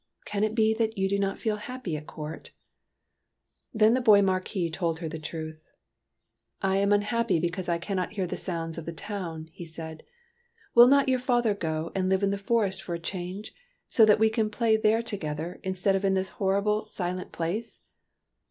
" Can it be that you do not feel happy at court?" ^ Then the boy Marquis told her the truth. " I am unhappy because I cannot hear the sounds of the town," he said. '' Will not your father go and live in the forest for a change, so that we can play there together, instead of in this horrible, silent place?"